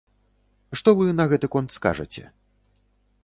Што вы на гэты конт скажаце?